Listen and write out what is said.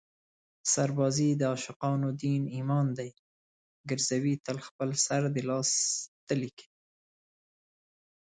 سربازي د عاشقانو دین ایمان دی ګرزوي تل خپل سر د لاس تلي کې